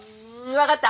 分かった！